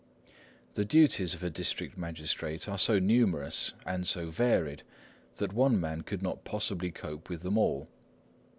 The duties of a district magistrate are so numerous and so varied that one man could not possibly cope with them all.